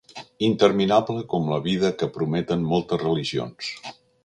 Interminable com la vida que prometen moltes religions.